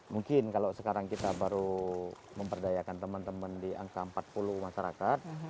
mungkin kalau sekarang kita baru memperdayakan teman teman di angka empat puluh masyarakat